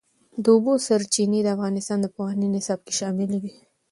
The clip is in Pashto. د اوبو سرچینې د افغانستان د پوهنې نصاب کې شامل دي.